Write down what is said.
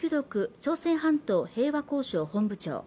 朝鮮半島平和交渉本部長